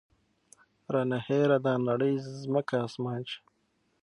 رانه هېره دا نړۍ ځمکه اسمان شي